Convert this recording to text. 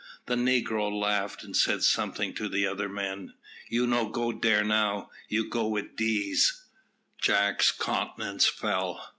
The negro laughed and said something to the other men. "You no go dere now, you go wid dees." Jack's countenance fell.